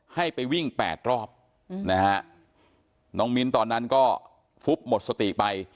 ให้ไปวิ่ง๘รอบน้องมีนตอนนั้นก็ฟุ๊บหมดสติไป